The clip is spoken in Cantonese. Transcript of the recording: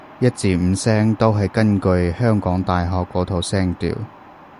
一至五聲都係根據香港大學嗰套聲調